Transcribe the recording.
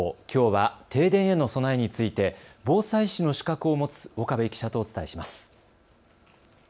きょうは停電への備えについて防災士の資格を持つ岡部記者とお伝えします。